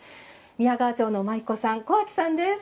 宮川町の舞妓さん、小晶さんです。